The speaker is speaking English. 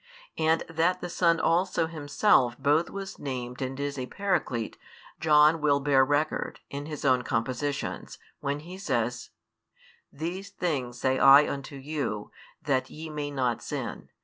And that the Son also Himself both was named and is a Paraclete, John will bear record, in his own compositions, when he says: These things say I unto you, that ye may not sin.